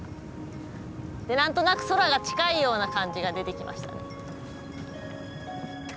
で何となく空が近いような感じが出てきましたね。